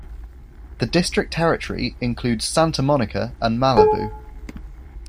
The district territory includes Santa Monica and Malibu.